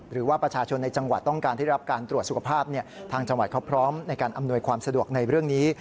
หรือว่าประชาชนในจังหวัดต้องการที่รับการตรวจสุขภาพทางจังหวัดเขาพร้อมในการอำนวยความสะดวกในเรื่องนี้